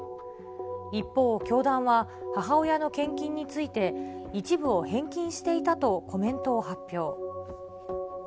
一方、教団は母親の献金について、一部を返金していたとコメントを発表。